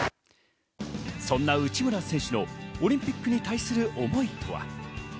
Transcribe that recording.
そんな内村選手のオリンピックに対する思いとは。